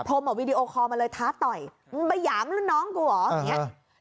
ผมวีดีโอคอลมาเลยท้าต่อยมึงไปหยามรุ่นน้องกูเหรออย่างนี้